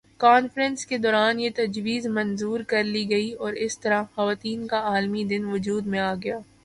conference کے دوران یہ تجویز منظور کر لی گئی اور اس طرح خواتین کا عالمی دن وجود میں آگیا